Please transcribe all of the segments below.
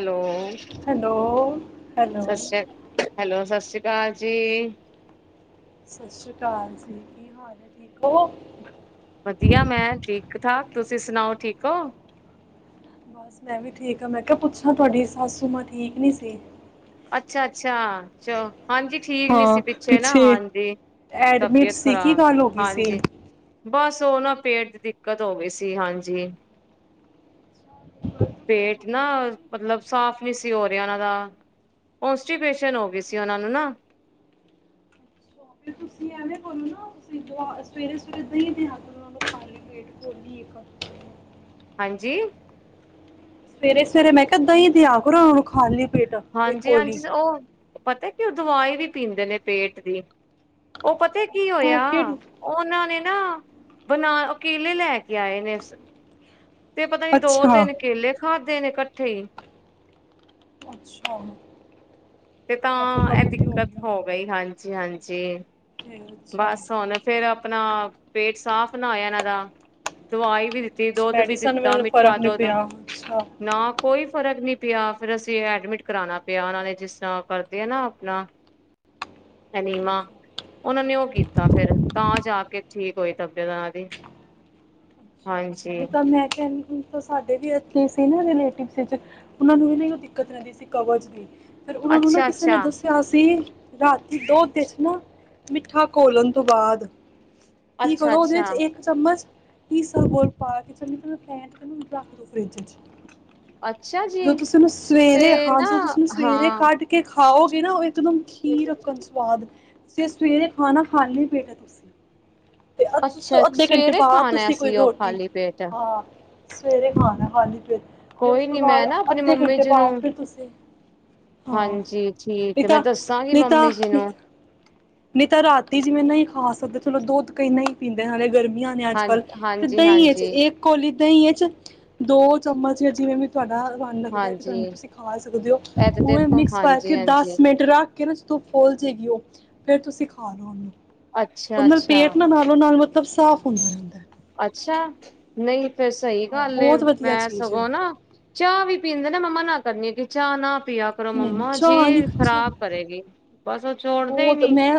Hello hello hello ਸਤਿ ਸ਼੍ਰੀ ਅਕਾਲ ਹੈਲੋ ਸਤਿ ਸ਼੍ਰੀ ਅਕਾਲ ਕਾਜੀੀ। ਸਤਿ ਸ੍ਰੀ ਅਕਾਲ ਜੀ ਕੀ ਹਾਲ ਹੈ ਠੀਕ ਹੋ? ਵਧੀਆ ਮੈਂ ਠੀਕ ਠਾਕ ਤੁਸੀਂ ਸੁਣਾਓ ਠੀਕ ਹੋ? ਬਸ ਮੈਂ ਵੀ ਠੀਕ ਆ ਮੈਂ ਕਿਹਾ ਪੁੱਛਾਂ ਤੁਹਾਡੀ ਸੱਸੂ ਮਾਂ ਠੀਕ ਨੀ ਸੀ ਅੱਛਾ-ਅੱਛਾ ਚਲੋ- ਹਾਂਜੀ ਠੀਕ ਨੀ ਸੀ ਪਿੱਛੇ ਨਾ ਹਾਂਜੀ ਐਡਮਿਟ ਤਬੀਅਤ ਸੀ ਕੀ ਖ਼ਰਾਬ ਗੱਲ ਹੋ ਗਈ ਸੀ ਹਾਂਜੀ ਬਸ ਉਹ ਨਾ ਪੇਟ ਦੀ ਦਿੱਕਤ ਹੋ ਗਈ ਸੀ ਹਾਂਜੀ। ਪੇਟ ਨਾ ਮਤਲਬ ਸਾਫ ਨੀ ਸੀ ਹੋ ਰਿਹਾ ਉਹਨਾਂ ਦਾ ਕੋਂਸਟੀਪੇਸ਼ਨ ਹੋ ਗਈ ਸੀ ਉਹਨਾਂ ਨੂੰ ਨਾ ਸਵੇਰੇ-ਸਵੇਰੇ ਦਹੀਂ ਦਿਆ ਕਰੋ ਉਨਾਂ ਨੂੰ ਖਾਲੀ ਪੇਟ ਕੋਲੀ ਇੱਕ ਹਾਂਜੀ। ਸਵੇਰੇ ਼-ਸਵੇਰੇ ਮੈਂ ਕਿਹਾ ਦਹੀ ਦਿਆ ਕਰੋ ਉਹਨਾ ਨੂੰ ਖਾਲੀ ਪੇਟ ਇੱਕ ਹਾਂਜੀ ਕੋਲੀ ਹਾਂਜੀ ਉਹ ਪਤਾ ਕਿ ਉਹ ਦਵਾਈ ਵੀ ਪੀਂਦੇ ਨੇ ਪੇਟ ਦੀ ਉਹ ਪਤਾ ਤੇ ਕੀ ਅੱਛਾ ਹੋਇਆ ਕਿਹੜੀ ਉਹਨਾਂ ਨੇ ਨਾ ਬਣਾ ਅਕਲੇ ਲੈ ਕੇ ਆਏ ਨੇ ਉਸਨ- ਤੇ ਪਤਾ ਨੀ ਦੋ ਅੱਛਾ ਤਿੰਨ- ਕੇਲੇ ਖਾ ਦੇ ਨੇ ਇਕੱਠੇ ਹੀ ਅੱਛਾ। ਤੇ ਬਸ ਉਹ ਤਾਂ, ਏ ਕਬਜ਼ੇ ਦਿੱਕਤ ਗਈ ਹੋਣੀ ਆ। ਹੋ ਗਈ ਹਾਂਜੀ। ਜੀ ਹਾਂਜੀ। ਅੱਛਾ ਬਸ ਹੁਣ, ਫੇਰ ਆਪਨਾ ਪੇਟ ਸਾਫ਼ ਣਾ ਹੋਇਆ ਇਹਨਾਂ ਦਾ ਦਵਾਈ [inaudible] ਵੀ ਦਿੱਤੀ, ਦੁੱਧ ਵੀ ਮੈਡੀਸਨ ਦਿੱਤਾ, ਨਾਲ ਫਰਕ ਮਿੱਠਾ ਨਹੀਂ ਦੁੱਧ ਪਿਆ ਅੱਛਾ ਨਾ ਕੋਈ ਫਰਕ ਨਹੀਂ ਪਿਆ, ਫਿਰ ਅਸੀਂ ਐਡਮਿਟ ਕਰਾਉਣਾ ਪਿਆ ਉਹਨਾਂ ਨੇ ਜਿਸ ਕਰਦੇ ਆ ਨਾ ਆਪਨਾ, ਅਨੀਮਾ, ਅੱਛਾ ਉਹਨਾਂ ਨੇ ਉਹ ਕੀਤਾ ਫਿਰ ਤਾਂ ਜਾ ਕੇ ਠੀਕ ਹੋਈ ਤਬੀਅਤ ਉਹਨਾਂ ਦੀ। ਹਾਂਜੀ ਸੋਲੇ ਕਮ ਹੈਥ [inaudible] ਸਾਡੇ ਵੀ ਇਥੇ ਸੀ ਨਾ, ਰਿਲੇਟਿਵ ਉਹ ਨੂੰ ਇਹ ਨਹੀਂ ਉਹ ਦਿੱਕਤਦੀ ਸੀ ਕਵਜ ਦੀ ਫਿਰ ਉਹਨਾਂ ਨੂੰ ਨਾ ਅੱਛਾ ਕਿਸੇ ਨੇ ਅੱਛਾ ਦੱਸਿਆ ਅਸੀਂ ਰਾਤੀ ਦੁੱਧ ਚ ਨਾ, ਮਿੱਠਾ ਘੋਲਣ ਤੋਂ ਬਾਅਦ ਕੀ ਅੱਛਾ ਕਰੋ, ਉਹਦੇ ਵਿੱਚ ਅੱਛਾ ਇੱਕ ਚਮਚ ਕੀ ਸ ਬਰ [inaudible] ਪਾ ਕੇਚਨ ਫੈਨ ਚ ਮੈਨੂੰ ਰੱਖ ਦੋ ਫਰਿੱਜ ਚ ਅੱਛਾ [inaudible] ਜੀ ਜੋ ਤੁਸੀਂਨੂੰ ਸਵੇਰੇ ਤੇ ਹਾਂ ਨਾ ਜ ਤੁਸੀਨੂੰ ਸਵੇਰੇ ਹਾਂ ਕੱਢ ਕੇ ਖਾਓਗੇ ਨਾ, ਉਹ ਇਕਦਮ ਖੀਰ ਰੱਖਣ ਸਵਾਦ ਜੇ ਸਵੇਰੇ ਖਾਨਾ, ਖਾਲੀ ਪੇਟ ਤੁਸੀਂ ਤੇ ਅੱ ਤੋਂ ਅੱਛਾ ਅੱਧੇ ਘੰਟੇ ਬਾਅਦ ਤੁਸੀਂ ਕੋਈ ਰੋਟੀ ਪ ਤਾਂ [inaudible] ਹਾਂ ਸਵੇਰੇ ਖਾਨਾ ਖਾਲੀ ਤੇ ਉਸ ਕੋਈ ਤੋਂ ਨੀ ਮੈਂ ਨਾ ਬਾਅਦ ਆਪਨੇ ਅੱਧੇ ਮੰਮੀ ਘੰਟੇ ਜੀ ਬਾਅਦ ਨੂੰ, ਫਿਰ ਤੁਸੀਂ ਹਾਂ ਹਾਂਜੀ ਨਹੀਂ ਠੀਕ ਮੈਂ ਤਾਂ ਦੱਸਾਂਗੀ ਨਹੀਂ ਤਾਂ ਮੰਮੀ ਜੀ ਨਹੀਂ ਨੂੰ ਤਾਂ ਨਹੀਂ ਤਾਂ, ਰਾਤੀ ਜਿਵੇਂ ਨਹੀਂ ਖਾ ਸਕਦੇ ਥਲੋ ਦੁੱਧ ਕਈ ਨਹੀਂ ਹੀ ਪੀਂਦੇ ਹਣੇ ਗਰਮੀ ਹਾਂ ਬ ਹਾਂਜੀ ਦਹੀਂ [inaudible] ਹਾਂਜੀ ਹੀ ਚ ਦੋ ਚਮਚ ਜਾਂ ਜਿਵੇਂ ਵੀ ਤੁਹਾਡਾ ਿੰ ਰੱਖ ਹਾਂਜੀ ਇਹ ਤੇ ਦੇਖੋ ਹਾਂਜੀ ਹਾਂਜੀ [inaudible] ਤੂੰ ਫੋਲ ਜੇਗੀਓ ਫੇਰ ਤੁਸੀਂ ਖਾ ਲੋ ਉਹਨੂੰ ਉਹ ਅੱਛਾ ਨਾਲ ਅੱਛਾ ਪੇਟ ਨਾਲ ਨਾਲੋਂ ਨਾਲ ਮ ਸਬ ਸਾਫ਼ ਹੁੰਦਾ ਰਹਿੰਦਾ ਅੱਛਾ, ਨਹੀਂ। ਫੇਰ ਸਹੀ ਹਾਂ ਗੱਲ ਏ, ਬਹੁਤ ਵਧੀਆ ਮੈਂ ਚੀਜ਼ ਹੈ ਉਹ ਸਗੋਂ ਨਾ ਚਾਹ ਵੀ ਪੀਂਦੇ ਨੇ ਮੰਮਾ ਨ ਕਰਨੀ ਹੈ ਕਿ ਚਾਹ ਨਾ ਪਆ ਕਰੋ ਨਹੀਂ ਨਹੀਂ ਮੰਮਾ ਚਾਹ ਨਹੀਂ ਜੀ ਚਾਹ ਖ਼ਰਾਬ ਕਰੇਗੀ ਬਸ ਛੋੜਦੇ ਹੀ ਬਹੁਤ ਨੀ ਮੈਂ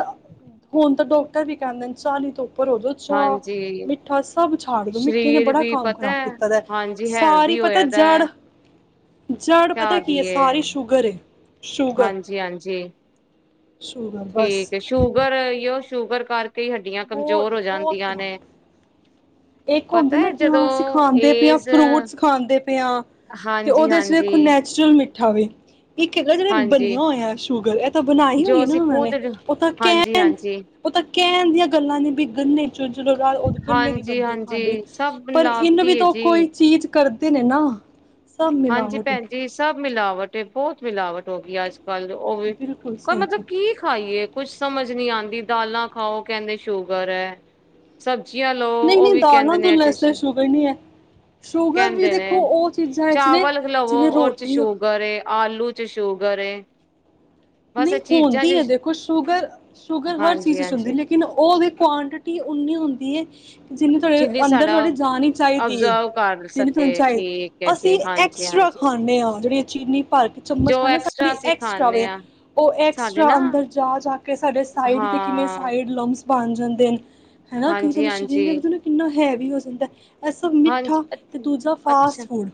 ਹੁਣ ਤਾਂ ਡੋ ਵੀ ਕਰਦੇ ਨੇ ਸਾਲੀ ਤੋਂ ਭਰੋ ਦੋ ਚਾਹ ਹਾਂਜੀ ਮਿੱਠਾ ਸਭ ਛਾਡ ਦੋ ਮਿੱਠੇ ਨੇ ਸਰੀਰ ਬੜਾ ਵੀ ਕੰਮ ਪਤਾ ਖ਼ਰਾਬ ਹੈ ਕੀਤਾ ਦਾ ਹਾਂਜੀ ਸਾਰੀ ਹੈਲਦੀ ਪਤਾ ਹੋਇਆ ਦਾ ਜੜ ਜਾੜ ਪਤਾ ਚਾਹ ਕੀ ਹੈ ਦੀਏ ਸਾਰੀ ਸ਼ੂਗਰ ਹੈ ਸ਼ੂਗਰ ਹਾਂਜੀ ਹਾਂਜੀ ਸ਼ੂਗਰ ਬਸ ਠੀਕ ਸ਼ੂਗਰ ਸ਼ੂਗਰ ਕਾਰ ਬਹੁਤ ਬਹੁਤ ਖਰਾਬ ਇੱਕ ਹੁੰਦੀ ਪਤਾ ਨਾ ਹੈ ਕਿ ਹਾਂ ਜਦੋਂ ਅਸੀਂ ਖਾਂਦੇ ਪਏ ਹਾਂ ਏਜ ਫਰੂਟਸ ਖਾਂਦੇ ਪਏ ਹਾਂ ਤੇ ਹਾਂਜੀ ਉਹਦੇ ਚ ਹਾਂਜੀ ਦੇਖੋ ਨੈਚੁਰਲ ਮਿੱਟੀ ਅੱਠਵੇ ਇੱਕ ਹੈਗਾ ਜਿਹੜਾ ਹਾਂਜੀ ਬਣਿਆ ਹੋਇਆ ਸ਼ੂਗਰ, ਇਹ ਤਾਂ ਬਣਾਈ ਹੋਈ ਜੋ ਹੈ ਨਾ ਅਸੀਂ ਉਹਨਾਂ ਖੁਦ ਨੇ ਉਹ ਤਾਂ ਹਾਂਜੀ ਕਹਿਣ ਹਾਂਜੀ ਉਹ ਤਾਂ ਕਹਨ ਦੀ ਗੱਲਾਂ ਨੇ ਵੀ ਗੰਨੇ ਚੋਂ ਜਦ ਉਹ ਗੰਨੇ ਦੀ ਹਾਂਜੀ ਬਣਦੀ ਹੈ ਖੰਡ ਵਿੱਚ ਹਾਂਜੀ ਸਭ ਪਰ ਇਹਨੂੰ ਵੀ ਮਿਲਾਵਟੀ ਹੈ ਤਾਂ ਜੀ ਕੋਈ ਚੀਜ਼ ਕਰਦੇ ਨੇ ਨਾ, ਸਭ ਹਾਂਜੀ ਮਿਲਾਵਟ ਏ ਭੈਣ ਜੀ ਸਭ ਮਿਲਾਵਟ ਤੇ ਬਹੁਤ ਮਿਲਾਵਟ ਹੋ ਗਈ ਅੱ ਕਲ ਉਹ ਵੀ, ਬਿਲਕੁਲ ਕੋਈ ਸਹੀ ਮਤਲਬ ਕਿਹਾ, ਕੀ ਖਾਈਏ ਕੁੱਝ ਸਮਝ ਸਮਝ ਨਹੀਂ ਆਉਂਦੀ ਦਾਲਾਂ ਖਾਓ ਕਹਿੰਦੇ ਸ਼ੂਗਰ ਹੈ, ਸਬ ਨਹੀਂ ਨਹੀਂ ਦਾਲਾਂ ਦੁਲਾ ਇਸ ਚ ਸ਼ੂਗਰ ਨਹੀਂ ਹੈ, ਸ਼ੂਗਰ ਵੀ ਕਹਿੰਦੇ ਨੇ ਦੇਖੋ ਉਹ ਚੀਜ਼ਾਂ ਨੇ ਚਾਵਲ ਲਵੋ ਜਿਵੇਂ ਔਦੇ ਚ ਰੋਟੀ ਸ਼ੂਗਰ ਏ, ਆਲੂ ਚ ਸ਼ੂਗਰ ਏ, ਬਸ ਨਹੀਂ ਇਹ ਚੀਜ਼ਾਂ ਚ ਹੋਦੀ ਹੈ ਦੇਖੋ ਸ਼ੂਗਰ, ਸ਼ੂਗਰ ਹਰ ਹਾਂਜੀ ਚੀਜ਼ ਚ ਹੁੰਦੀ ਹਾਂਜੀ ਲੇਕਿਨ ਉਹਦੇ ਕਵਆਂਟੀਟੀ ਉਨੀ ਹੁੰਦੀ ਹੈ ਜਿਨੀ ਤੁਹਾਡੇ ਜਿੰਨੀ ਸਾਡਾ ਅੰਦਰ ਜਾਣੀ ਚਾਹੀਦੀ ਹੈ। ਅਬਜ਼ਰਵ ਕਰ ਜਿਹਨੀ ਸਕੇ ਤੁਹਾਨੂੰ ਚਾਹੀਦੀ ਠੀਕ ਹੈ ਅਸੀਂ ਜੀ ਹਾਂਜੀ ਐਕਸਟਰਾ ਹਾਂਜੀ ਖਾਂਦੇ ਹਾਂ। ਜਿਹੜੀ ਏ ਚੀਨੀ ਭਰ ਕੇ ਚਮਚ ਜੋ ਖਾਣੇ ਹਾਂ ਐਕਸਟਰਾ ਅਸੀਂ ਐਕਸਟਰਾ ਖਾਂਦੇ ਵੇ। ਹਾਂ ਉਹ ਸਾਡੇ ਐਕਸਟਰਾ ਨਾ ਅੰਦਰ ਜਾ ਜਾ ਕੇ ਸਾਡੇ ਸਾਈਡ ਦੇ ਕਿਵੇਂ ਹਾਂ ਸਾਈਡ ਲਮਸ ਬਣ ਜਾਂਦੇ ਨੇ ਹੈ ਨਾ, ਕਈ ਹਾਂਜੀ ਵਰੀ ਹਾਂਜੀ ਸਰੀਰ ਵਿਚੋ ਕਿੰਨਾ ਹੈ ਵੀ ਹੋ ਜਾਂਦਾ। ਇਹ ਸਭ ਹਾਂਜੀ ਮਿੱਠਾ ਤੇ ਅੱਛਾ ਦੂਜਾ ਅੱਛਾ ਫਾਸਟ ਫੂਡ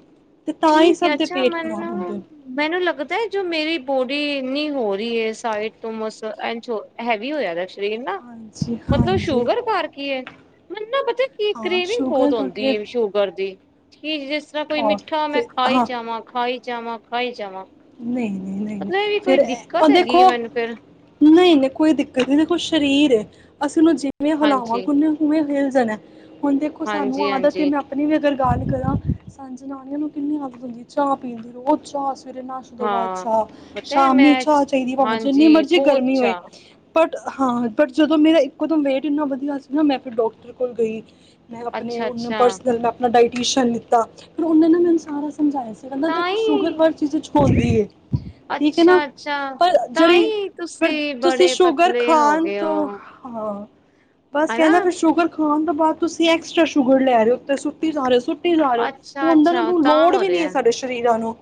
ਤੇ ਤਾਂ ਹੀ ਠੀਕ ਹੈ ਸਭ ਦੇ ਅੱਛਾ ਪੇਟ ਖ਼ਰਾਬ ਹੁੰਦੇ ਮੈਨੂੰ ਨੇ ਮੈਨੂੰ ਲੱਗਦਾ ਹੈ ਜੋ ਮੇਰੀ ਬੋ ਡੀ ਇੰਨੀ ਹੋ ਰਹੀ ਹੈ ਸਾਈਡ ਤੋਂ ਬਸ ਏਂਜ ਹੈਵੀ ਹੋਇਆ ਦਾ ਸ਼ਰੀਰ ਨਾ ਹਾਂਜੀ ਮਤਲਬ ਹਾਂਜੀ ਸ਼ੂਗਰ ਕਾਰ ਕੇ ਹੈ। ਕੀ ਹਾਂ ਕਰੀਵਿੰਗ ਸ਼ੂਗਰ ਬਹੁਤ ਕਰਕੇ ਹੁੰਦੀ ਦੀ ਸ਼ੂਗਰ ਦੀ ਕਿ ਜਿਸ ਤਰ੍ਹਾਂ ਕੋਈ ਔਰ ਮਿੱਠਾ ਮੈਂ ਫਿਰ ਖਾਈ ਹਾਂ ਜਾਵਾਂ ਖਾਈ ਜਵਾਬ, ਖਾਈ ਜਵਾ। ਨਹੀਂ ਨਹੀਂ ਨਹੀਂ ਫੇਰ ਹੈਗੀ ਏ ਦੇਖੋ ਮੈਨੂੰ ਫੇਰ ਨਹੀਂ ਨਹੀਂ ਕੋਈ ਦਿੱਕਤ ਨ ਦੇਖੋ ਸਰੀਰ ਹੇ। ਔਨੂ ਜਿਵੇਂ ਹਾਂਜੀ, ਹਲਾਵਾਂਗੇ ਔਨੇ ਔਵੇੇ ਹਿਲ [unintelligible] ਹੁਣ ਦੇਖੋ ਸਾਨੂੰ ਹਾਂਜੀ, ਆਦਤ ਹੈ, ਹਾਂਜੀ ਮੈਂ ਆਪਣੀ ਵੀ ਅਗਰ ਗਲ ਕਰਾ, ਸਾਨੂ ਜਨਾਨੀਆਂ ਨੂੰ ਕਿੰਨੀ ਆਦਤ ਹੁੰਦੀ ਹੈ, ਚਾਹ ਪੀਣ ਦੀ। ਰੋਜ ਚਾ ਨਾਸ਼ਤੇ ਤੋਂ ਬਾਅਦ ਹਾਂ। ਚਾਹ, ਪਤਾ ਹੈ ਸ਼ਾਮੀ ਮੈਂ ਚਾਹ ਚਾਹੀਦੀ ਭਾਵੇਂ ਜਿੰਨੀ ਹਾਂਜੀ ਮਰਜ਼ੀ ਬਹੁਤ ਗਰਮੀ ਹੋਵੇ ਚਾਅ ਪਰ ਹਾਂ, ਪਰ ਜਦੋਂ ਮੇਰਾ ਇੱਕੋ ਦਮ ਵੇਟ ਇੰਨਾ ਵਧੀਆ ਸੀ ਨਾ, ਮੈਂ ਫਿਰ ਡਾਕਟਰ ਕੋਲ ਗਈ। ਮੈਂ ਅਪਣੇ ਅੱਛਾ, ਔਨੂ ਅੱਛਾ ਪਰਸਨਲ ਮੈਂ ਅਪਣਾ ਡਾਈਟ ਸ਼ਨ ਲਿਤਾ, ਫਿਰ ਉਹਨੇ ਨਾ ਮੈਨੂੰ ਸਾਰਾ ਸਮਝਾਇਆ ਸੀ ਕਹਿੰਦਾ ਤਾਂ ਦੇਖੋ ਸ਼ੂਗਰ ਹੀ ਜੋ ਛੋੜਦੀ ਏ ਠੀਕ ਹੈ ਨਾ ਅੱਛਾ, ਅੱਛਾ ਪਰ ਤਾਂ ਜਿਹੜੀ ਹੀ ਫਿਰ ਤੁਸੀਂ ਬੜੇ ਸ਼ੂਗਰ ਪਤਲੇ ਹੋ ਖਾਣ ਗਏ ਤੋਂ, ਹੋ। ਹਾਂ ਬਸ ਹਨਾ ਕਹਿੰਦਾ ਫਿਰ ਸ਼ੂਗਰ ਖਾਣ ਤੋਂ ਬਾਅਦ ਤੁਸੀਂ ਐਕਸਟਰਾ ਸ਼ੂਗਰ ਲੈ ਰਹੇ ਹੋ, ਤੇ ਸੁੱਤੀ ਜਾ ਰਹੇ ਹੋ ਸੁ ਜਾ ਰਹੇ ਹੋ, ਅੱਛਾ, ਉਹ ਅੰਦਰ ਉਹਨਾ ਅੱਛਾ ਨੂੰ ਤਾਂ ਲੋੜ ਵੀ ਨਹੀਂ ਹੈ ਸਾਡੇ ਸਰੀਰਾਂ ਨੂੰ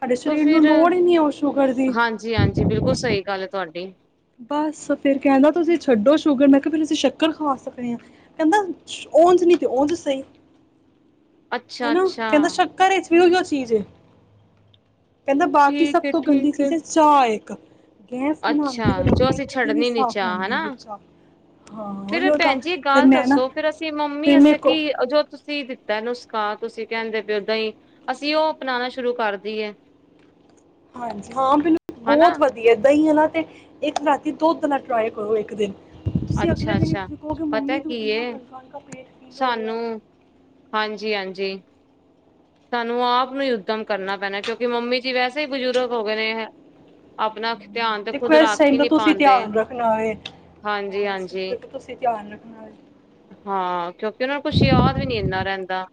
ਸਾਡੇ ਤ ਸਰੀਰ ਨੂੰ ਫਿਰ, ਲੋੜ ਹੀ ਨਹੀਂ ਹੈ ਉਹ ਸ਼ੂਗਰ ਦੀ ਹਾਂਜੀ- ਹਾਂਜੀ, ਬਿਲਕੁਲ ਸਹੀ ਗੱਲ ਏ। ਤੁਹਾਡੀ ਬਸ ਫੇਰ ਕਹਿੰਦਾ ਤੁਸੀਂ ਛੱਡੋ ਸ਼ੂਗਰ। ਮੈਂ ਕਿਹਾ ਫਿਰ ਅਸੀਂ ਸ਼ੱਕਰ ਖਾ ਸਕਦੇ ਹਾਂ। ਕਹਿੰਦਾ ਉਂਝ ਨਹੀਂ ਤੇ ਉਂਝ ਸਹੀ। ਹੈਨਾ, ਅੱਛਾ-ਅੱਛਾ। ਕਹਿੰਦਾ ਸ਼ੱਕਰ ਚ ਏ ਔਹਿਔ ਚੀਜ਼ ਏ। ਕਹਿੰਦਾ ਬਾਕੀ ਸਭ ਠੀਕ ਏ, ਤੋਂ ਗੰਦੀ ਠੀਕ ਚੀਜ਼ ਏ, ਚਾਹ ਏ। ਕ ਗੈਸ ਬਣਾਦ ਹਾਂ ਜੋ ਅਸੀਂ ਛੱਡਣੀ ਨੀ ਚਾੱ ਹੈਨਾ, ਚਾਹ ਹਾਂ ਫਿਰ ਉਹੀਓ ਤਾਂ ਭੈਣ ਜੀ, ਇਕ ਫਿਰ ਗੱਲ ਮੈਂ ਨਾ ਦੱਸੋ ਫੇਰ ਅਸੀਂ ਮੰਮੀ ਫਿਰ ਅਸੇ ਮੇਰੇ ਕਿ ਕੋ ਜੋ ਤੁਸੀ ਏ ਨੁਸਕਾ ਤੁਸੀਂ ਕਹਿੰਦੇ ਪਏ ਓ ਦਹੀ ਅਸੀਂ ਉਹ ਅਪਣਾਣਾ ਸ਼ੁਰੂ ਕਰ ਦਇਏ ਹਾਂਜੀ ਹਾਂ ਬਿਲ ਬਹੁਤ ਵਧੀਆ ਦਹੀ ਅਲਾ ਤੇ ਇੱਕ ਰਾਤੀ ਦੁੱਧ ਨਾਲ ਟਰਾਈ ਕਰੋ ਇੱਕ ਦਿਨ ਤੁਸੀਂ ਅਗਲੇ ਦਿਨ ਅੱਛਾ-ਅੱਛਾ। ਹੀ ਕਹੋਗੇ ਪਤਾ ਮੰਮੀ ਨੂੰ ਕੀ ਏ ਇੰਨਾ ਹਲਕਾ- ਹਲਕਾ ਪੇਟ ਫੀਲ ਹੋ ਰਿਹਾ। ਸਾਨੂੰ ਹਾਂਜੀ-ਹਾਂਜੀ। ਸਾਨੂੰ ਆਪ ਨੂੰ ਹੀ ੳਦੱਮ ਕਰਨਾ ਪੈਣਾ ਕਿਉਂਕਿ ਮੰਮੀ ਜੀ ਵੈਸੇ ਹੀ ਬਜ਼ੁਰਗ ਹੋ ਗਏ ਨੇ ਅਪਣਾ ਦੇਖੋ ਇਸ ਟਾਈਮ ਦਾ ਤੁਸੀਂ ਧਿਆਨ ਰੱਖਣਾ ਏ। ਹਾਂਜੀ- ਹਾਂਜੀ ਹਾਂ, ਕਿਉਂਕਿ ਉਹਨਾ ਨੂੰ ਕੁਛ ਯਾਦ ਵੀ ਨੀ ਇੰਨਾ ਰਹਿੰਦਾ।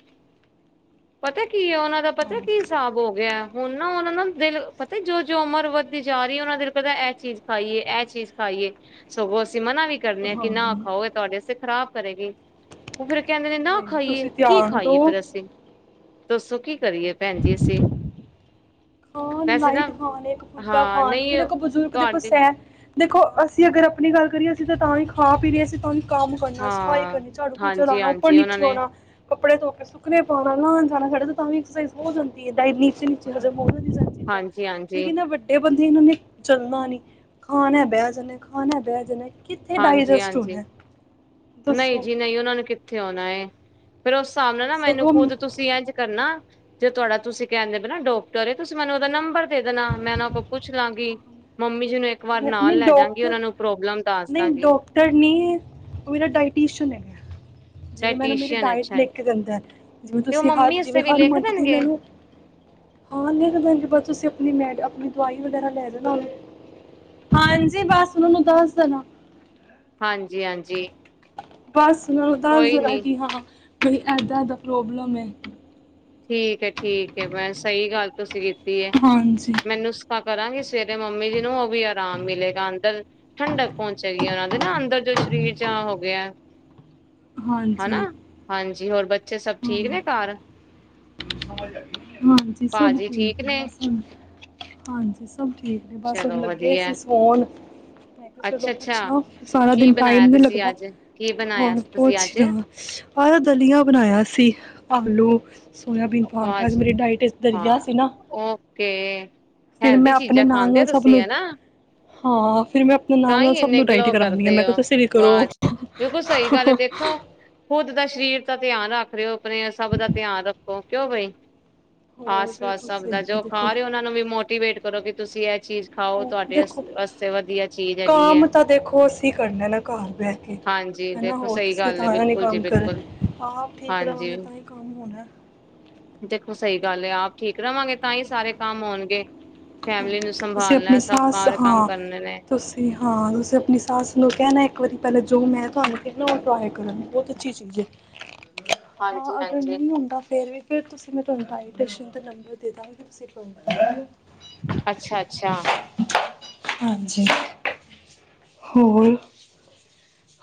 ਪਤਾ ਕੀ ਕੀ ਹੈ, ਉਹਨਾਂ ਦਾ ਪਤਾ ਕੀ ਹਾਂਜੀ ਹਿਸਾਬ ਹੋ ਗਿਆ ਹੁਣ ਨਾ ਉਹਨਾਂ ਨੂੰ ਦਿਲ ਪਤਾ ਜੋ ਜੋ ਉਮਰ ਵੱਧਦੀ ਜਾ ਰਹੀ ਹੈ ਉਹਨਾਂ ਦਿਲ ਕਰਦਾ ਇਹ ਚੀਜ਼ ਖਾਈਏ, ਇਹ ਚੀਜ਼ ਖਾਈਏ। ਸਗੋਂ ਅਸੀ ਮਨਾ ਵੀ ਕਰਦੇ ਹਾਂ ਕਿ ਨਾ ਖਾਓ ਇਹ ਤੁਹਾਡੇ ਵਾਸਤੇ ਖ਼ਰਾਬ ਕਰੇਗੀ। ਉਹ ਫੇਰ ਕਹਿੰਦੇ ਨੇ ਨਾ ਜੀ, ਖਾਈਏ, ਤੁਸੀਂ ਕੀ ਧਿਆਨ ਖਾਈਏ ਦਿਓ ਫੇਰ ਅਸੀ? ਦੱਸੋ ਕੀ ਕਰੀਏ ਭੈਣ ਜੀ ਅਸੀਂ। ਖਾਨ ਵੈਸੇ ਨਾ ਲਾਈਟ ਖਾਨ, ਇੱਕ ਫੁਲਕਾ ਹਾਂ ਖਾਨ। ਨਹੀਂ ਦੇਖੋ ਬਜ਼ੁਰਗ ਦੇਖੋ ਤੁਹਾਡੇ ਸੈ ਦੇਖੋ ਅਸੀਂ ਅਗਰ ਆਪਣੀ ਗੱਲ ਕਰੀਏ। ਅਸੀਂ ਤੇ ਤਾਂ ਹੀ ਖਾ ਪੀ ਰਹੀਆਂ ਸੀਂ। ਕੰਮ ਕਰਨਾ ਸਫ਼ਾਈ ਹਾਂ ਕਰਨੀ ਝਾੜੂ ਪੋਚਾ ਹਾਂਜੀ ਲਾਣਾ ਉਪਰ ਹਾਂਜੀ ਉਹਨਾਂ ਨੀਚੇ ਨੇ ਹੌਣਾ। ਕੱਪੜੇ ਧੋ ਕੇ ਸੁੱਕਣੇ ਪਾਉਣਾ ਨਉਣ ਜਾਣਾ ਸਾਡੇ ਤਾਂ ਵੀ ਐਕਸਾਈਜ਼ ਬਹੁਤ ਹੋ ਜਾਂਦੀ ਚਾਹੇ ਇੰਨੀ। ਸਿੰਚ [unintelligible] ਹਾਂਜੀ ਹਾਂਜੀ। ਬੰਦੇੇ ਨੇ ਚਲਣਾ ਨਹੀਂ ਖਾਣ ਬਹਿ ਜਾਂਦੇ ਖਾਣ ਬਹਿ ਜਾਂਦੇ ਕਿੱਥੇ ਹਾਂਜੀ ਡਾਈਜੈਸਟ ਹਾਂਜੀ ਹੋਣਾ ਹੈ। ਨਹੀਂ ਦੱਸੋ ਜੀ ਨਹੀਂ ਉਹਨਾਂ ਨੂੰ ਕਿੱਥੇ। ਆਉਣਾ ਹੈ। ਫੇਰ ਉਸ ਹਿਸਾਬ ਨਾਲ ਨਾ ਮੈਨੂੰ ਸਗੋਂ ਖੁਦ ਤੁਸੀਂ ਇੰਝ ਕਰਨਾ। ਜੇ ਤੁਹਾਡਾ ਤੁਸੀਂ ਕਹਿੰਦੇ ਵੀ ਨਾ ਡਾਕਟਰ ਹੈ ਨਾ ਤੁਸੀਂ ਮੈਨੂੰ ਉਹਦਾ ਨੰਬਰ ਦੇ ਦੇਣਾ ਮੈਂ ਉਹ ਕੋਲ ਪੁੱਛ ਲਾਂਗੀ ਮੰਮੀ। ਜਿਹਨੂੰ ਇੱਕ ਵਾਰ ਨਹੀਂ ਨਾਲ ਲੈਜਾਗੀ ਡਾਕਟਰ ਉਹਨਾਂ ਨੂੰ ਪ੍ਰੋਬਲਮ ਦੱਸ ਨਹੀਂ ਦਾਗੀ। ਡਾਕਟਰ ਨਹੀਂ ਉਹ ਮੇਰਾ ਡਾਇਟੀਸ਼ਨ ਹੈ। ਜਿਵੇਂ ਮੈਨੂੰ ਮੇਰੀ ਡਾਇਟੀਸ਼ੀਅਨ ਏ ਡਾਇਟ ਅੱਛਾ ਲਿਖ ਕੇ ਦਿੰਦਾ ਹੈ। ਜਿਵੇਂ ਤੇ ਉਹ ਤੁਸੀਂ ਹਰ ਮੰਮੀ ਜਿਵੇਂ ਅਸੇ ਵੀ ਲਿਖ ਹਨੂੰਮੰਤ ਦੀ ਦੇਣਗੇ ਮੈਨੂੰ ਹਾਂ ਲਿਖ ਕੇ ਦੇਣ ਬਾਅਦ ਤੁਸੀਂ। ਮੈ ਆਪਣੀ ਦਵਾਈ ਵਗੈਰਾ ਲੈ ਦੇਣਾ ਕਰੇ। ਹਾਂਜੀ ਬਸ ਉਹਨਾਂ ਨੂੰ ਦੱਸ ਦੇਣਾ। ਹਾਂਜੀ ਹਾਂਜੀ। ਬਸ। ਉਹਨਾਂ ਨੂੰ ਦਸ ਕੋਈ ਦੇਣਾ ਨੀ ਕਿ ਹਾਂ। ਕਿ ਐਦਾਂ ਐਦਾਂ ਪ੍ਰੋਬਲਮ ਹੈ। ਠੀਕ ਹੈ ਠੀਕ ਹੈ ਮੈਂ ਸਹੀ ਗੱਲ ਤੁਸੀਂ ਕੀਤੀ। ਹਾਂਜੀ [unintelligible] ਕਰਾਂਗੀ ਸਵੇਰੇ ਮੰਮੀ ਜੀ ਨੂੰ ਉਹ ਵੀ ਆਰਾਮ ਮਿਲੇਗਾ ਅੰਦਰ ਠੰਡਕ ਪਹੁੰਚੇਗੀ ਉਹਨਾਂ ਨੂੰ ਉਹਦੇ ਨਾ ਅੰਦਰ ਜੋ ਸਰੀਰ ਚ ਹੋ ਗਿਆ ਹਨਾ, ਹਾਂਜੀ ਹਾਂਜੀ। ਹੋਰ ਬੱਚੇ ਸਭ ਹਾਂ ਠੀਕ ਨੇ ਘਰ? ਹਾਂਜੀ। ਸਭ ਠੀਕ। ਬ ਹਾਂਜੀ ਸਭ ਭਾਜੀ ਠੀਕ ਨੇ ਠੀਕ ਨੇ। ਬੱਸੁ ਹੁਣ ਚਲੋ ਲੱਗੇ ਵਧੀਆ ਸੀ, ਸੋਣ ਮੈਂ ਕਿਹਾ ਚਲੋ ਅੱਛਾ ਅੱਛਾ ਪੁੱਛਾਂ, ਸਾਰਾ ਕੀ ਦਿਨ ਟਾਈਮ ਬਣਾਇਆ ਨੀ ਤੁਸੀਂ ਲੱਗਦਾ ਅੱਜ ਕੀ ਬਣਾਇਆ ਹੁਣ ਸੀ ਤੁਸੀਂ ਅੱਜ ਪੁਛਲਾ ਆਹ ਦਲਿਆ ਬਣਾਇਆ ਸੀ। ਆਲੂ। Soybean park. ਜੀ, ਹਾਂ, ਓਕੇ। ਫਿਰ ਹੈਲਦੀ, ਮੈਂ ਆਪਣੇ ਚੀਜ਼ਾਂ ਨਾਲ ਖਾਂਦੇ ਹੋ, ਨਾਲ ਸਭ ਤੁਸੀਂ ਨੂੰ ਹਨਾ। ਹਾਂ। ਫਿਰ ਮੈਂ, ਆਪਣੇ ਤਾਂ ਨਾਲ-ਨਾਲ ਹੀ ਸਭ ਇੰਨੇ ਨੂੰ ਡਾਇਟ ਗਲੋ ਕਰਾਂਨੀ ਆ, ਕਰਦੇ ਮੈਂ ਕਿਹਾ ਹੋ ਤੁਸੀਂ ਵੀ ਕਰੋ। ਵਾਹ ਜੀ ਆਪ ਦਾ ਸਰੀਰ ਦਾ ਧਿਆਨ ਰੱਖ ਰਹੇ ਹੋ, ਆਪਣੇ ਸਭ ਦਾ ਧਿਆਨ ਰੱਖੋ, ਕਿਉਂ ਬਾਈ। ਹੋਰ ਆਸ-ਪਾਸ ਬਿਲਕੁਲ ਸਭ ਸਹੀ ਦਾ, ਹੈ ਜੋ ਦੇਖੋ ਖਾ, ਰਹੇ ਉਹਨਾ ਨੂੰ ਵੀ ਮੋਟੀਵੇਟ ਕਰੋ ਕਿ, ਤੁਸੀਂ ਇਹ ਚੀਜ਼ ਖਾਓ, ਤੁਹਾਡੇ ਆਸਤੇ ਵਧੀਆ। ਚੀਜ਼ ਹੈਗੀ ਕਾਮ ਹੈ ਤਾਂ ਦੇਖੋ, ਅਸੀਂ ਕਰਨੈਣਾ ਘਰ ਬਹਿ ਕੇ, ਹਾਂਜੀ ਹਨਾ ਦੇਖੋ ਹੋਰ ਸਹੀ ਕਿਸੇੇ ਗੱਲ ਹੈ ਤਾਂ ਨੀ, ਬਿਲਕੁਲ ਜੀ ਕੰਮ ਕਰੇ ਬਿਲਕੁਲ ਆਪ ਠੀਕ ਹਾਂਜੀ ਰਹਾਂਗੇ, ਤਾਂ ਹੀ ਕੰਮ ਹੋਣਾ। ਦੇਖੋ ਸਹੀ ਗੱਲ ਐ, ਆਪ ਠੀਕ ਰਵਾਂਗੇ, ਤਾਂਹੀ ਸਾਰੇ ਕੰਮ ਹੋਣਗੇ। ਫੈਮਲੀ ਨੂੰ ਤੁਸੀਂ ਆਪਣੀ ਸੰਭਾਲਣਾ, ਸਭ ਸੱਸ ਕਾਰ, ਕੰਮ ਹਾਂ ਕਰਨੇ ਨੇ। ਤੁਸੀਂ ਹਾਂ, ਤੁਸੀਂ ਆਪਣੀ ਸਾਸ ਨੂੰ ਕਹਿਣਾ ਇੱਕ ਵਾਰੀ ਪਹਲੇ ਜੋ, ਮੈਂ, ਤਵਾਨੁ ਕੈਨੀ, ਫਿਰਨਾ ਓ, ਟ੍ਰਾਈ ਕਰਣ ਬਹੁਤ ਅੱਛੀ ਚੀਜ਼ ਹੈ। ਹਾਂ, ਹਾਂਜੀ ਅਗਰ ਹਾਂਜੀ ਨਹੀਂ ਹੁੰਦਾ ਫੇਰ, ਵੀ ਫਿਰ, ਤੁਸੀਂ ਮੈਂ ਤੁਹਾਨੂੰ, ਆਈਟਸ਼ਨ ਦਾ ਨੰਬਰ ਦਾਗੀ ਤੁਸੀਂ ਫੋ ਅੱਛਾ- ਅੱਛਾ। ਹਾਂਜੀ। ਹੋਰ?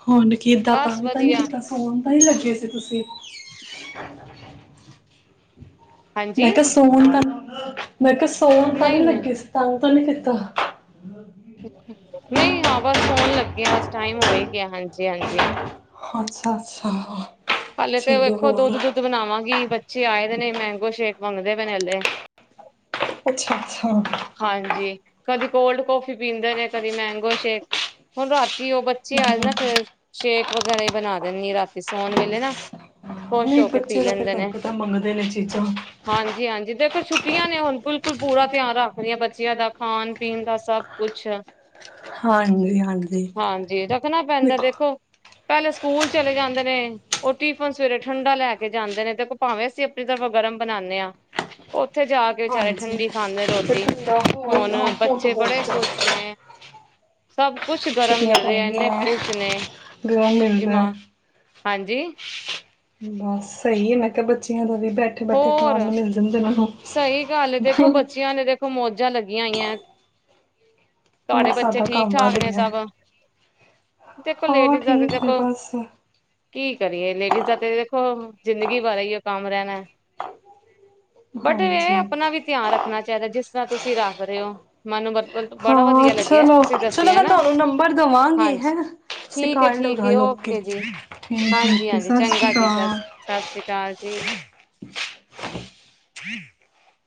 ਹੁਣ ਕਿਦਾਂ ਬਸ ਤਾਂਗ ਤਾਂ ਨੀ ਵਧੀਆ ਕੀਤਾ, ਸੋਣ ਤਾਂ ਨੀ ਲੱਗੇ ਸੀ, ਤੁਸੀਂ ਮੈਂ ਹਾਂਜੀ ਕਿਹਾ, ਸੋਣ ਤਾਂ ਹੰ ਮੈਂ ਕਿਹਾ, ਸੋਣ ਤਾਂ ਨੀ ਨਹੀਂ ਨਹੀਂ ਲੱਗੇ ਸੀ, ਤਾਂ ਤਨੇ ਕਿਤਾ ਨਹੀਂ, ਹਾਂ ਬਸ। ਸੋਣ ਲੱਗੇ ਆ, ਬਸ ਟਾਈਮ ਹੋ, ਹੀ ਗਿਆ ਹਾਂਜੀ- ਹਾਂਜੀ। ਅੱਛਾ-ਅਛਾ। ਹਲੇ ਤੇ ਵੇਖੋ, ਦੁੱਧ- ਦੁੱਧ ਬਣਾਵਾਂਗੀ ਬ ੀ ਆਏ ਨੇ, ਮੈਂਗੋ ਸ਼ੇਕ ਮੰਗਦੇ ਪੈਨੇ, ਹਲੇ ਅੱਛਾ ਅੱਛਾ ਹਾਂਜੀ, ਕਦੀ ਕੋਲਡ ਕੌਫੀ ਪੀਂਦੇ ਨੇ, ਕਦੀ ਮੈਂਗੋ ਸ਼ੇਕ, ਹੁਣ ਰਾਤ ਉਹ ਬੱਚੇ, ਆਜ ਨਾ, ਫੇਰ ਸ਼ੇਕ ਵਗੈਰਾ ਬਣਾ ਦਿੰਦੀ ਰਾਤੀ ਸੌਣ ਵੇਲੇ ਨਾ ਖੁਸ਼ ਨਹੀਂ ਹੋ ਕੇ ਪੀ ਬੱਚੇ ਤਾਂ ਫਿਰ ਲੈਂਦੇ ਤੁਹਾਨੂੰ ਨੇ ਪਤਾ ਮੰਗਦੇ ਨੇ ਚੀਜ਼ਾਂ ਦੇੇਖਰ ਛੁੱਟੀਆਂ ਨੇ ਹੁਣ ਬਿਲਕੁਲ ਪੂਰਾ ਤਿਆਰ ਆ ਆਪਆ ਬੱਚੀਆਂ ਦਾ ਖਾਣ ਪੀਣ ਦਾ ਸਭ ਕੁਛ ਹਾਂਜੀ ਹਾਂਜੀ ਹਾਂਜੀ ਰੱਖਣਾ ਪੈਂਦਾ ਦੇਖੋ ਪਹਿਲੇ ਸਕੂਲ ਚਲੇ ਜਾਂਦੇ ਨੇ ਉਹ ਟਿਫਨ ਸਵੇਰੇ ਠੰਢਾ ਲੈ ਕੇ ਜਾਂਦੇ ਨੇ ਤੇ ਭਾਵੇਂ ਅਸੀਂ ਆਪਣੀ ਤਰਫਾ ਗਰਮ ਬਨਾਉਂਦੇ ਹਾਂ ਉੱਥੇ ਜਾ ਕੇ ਵਿਚਾਰੇ ਠੰਡੀ ਖਾਂਦੇ ਰੋਟੀ ਹੁਣ ਹ ਬੱਚੇ ਬੜੇ ਖੁਸ਼ ਉਹਤ ਨੇ ਹੋ ਸਭ ਕੁਛ ਗਰਮ ਛੁਟੀਆਂ ਮਿਲ ਪੈ ਰਿਹਾ ਇੰਨੇ ਖੁਸ਼ ਨੇ ਗ ਗ ਮਿਲਦਾ ਡਿਮਾਂਡ ਹਾਂਜੀ ਬਸ ਸਹੀ ਹੈ ਮੈਂ ਕਿਹਾ ਬੱਚਿਆਂ ਦਾ ਵੀ ਬੈਠੇ ਬੈਠੇ ਹੋਰ ਖਾਣ ਨੂੰ ਮਿਲ ਜਾਂਦੇ ਉਹਨਾਂ ਸਹੀ ਗੱਲ ਦੇਖੋ ਬੱਚਿਆਂ ਨੇ ਦੇਖੋ ਮੋਦੀ ਚੀਜ਼ਾਂ ਲੱਗੀਆਂ ਹੋਈਆਂ ਨਹੀਂ ਤੁਹਾਡੇ ਬੱਚੇ ਸਾਡਾ ਠੀਕ ਕੰਮ ਠਾਕ ਵਧ ਨੇ ਹੈ ਸਭ ਦੇਖੋ ਹਾਂ ਲੇਡੀਜ਼ ਦਾ ਤੇ ਠੀਕ ਹੈ ਦੇਖੋ ਬਸ ਕੀ ਕਰੀਏ ਲੇਡੀਜ਼ ਦਾ ਤੇ ਜ਼ਿੰਦਗੀ ਬਾਰੇ ਹੀ ਉਹ ਕੰਮ ਰਹਿਣਾ ਬਟ ਇਹਵੇ ਹਾਂਜੀ ਆਪਣਾ ਵੀ ਧਿਆਨ ਰੱਖਣਾ ਚਾਹੀਦਾ ਜਿਸ ਤਰ੍ਹਾਂ ਤੁਸੀਂ ਰੱਖ ਰਹੇ ਹੋ ਮਨ ਬਰ ਹਾਂ ਚਲੋ ਚਲੋ ਮੈਂ ਨਾ ਤੁਹਾਨੂੰ ਨੰਬਰ ਦੇਵਾਂਗੀ ਹੈ ਹਾਂਜੀ ਠੀਕ ਹੈ ਸਿਖਣ ਠੀਕ ਲਗਾ ਹੈ ਲੋਕੀ ਓਕੇ ਜੀ ਓ ਹਾਂਜੀ ਸਤਿ ਹਾਂਜੀ ਸ੍ਰੀ ਚੰਗਾ ਜੀ ਸਤਿ ਅਕਾਲ ਸਤਿ ਸ੍ਰੀ ਅਕਾਲ ਜੀ ਹਮ